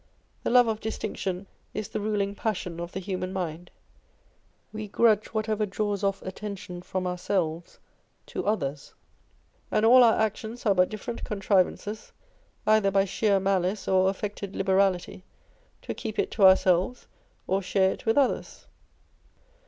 The love of distinction is the ruling passion of the human mind ; we grudge whatever draws off attention from ourselves to others ; and all our actions are but different contrivances, either by sheer malice or affected liberality, to keep it to ourselves or share it with others.